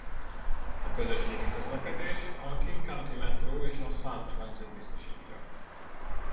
A közösségi közlekedést a King County Metro és a Sound Transit biztosítja.